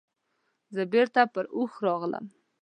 زه بیرته پر هوښ راغلم.